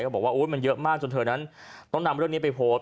บอกว่ามันเยอะมากจนเธอนั้นต้องนำเรื่องนี้ไปโพสต์